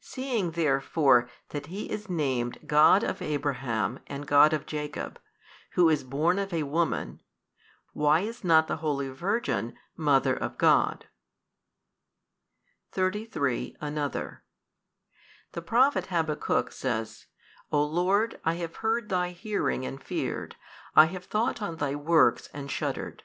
Seeing therefore that He is named God of Abraham and God of Jacob, Who is born of a woman, why is not the holy Virgin Mother of God? 33. Another. The Prophet Habaccuc says, O Lord, I have heard Thy hearing and feared, I have thought on Thy works and shuddered.